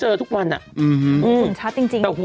เจอมาฉันไง